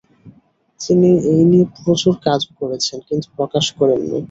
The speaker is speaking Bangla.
তিনি এই নিয়ে প্রচুর কাজও করেছেন, কিন্তু প্রকাশ করেন নি।